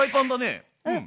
うん。